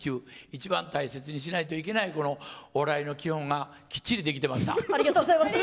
一番大切にしないといけないお笑いの基本がきっちり、できてました。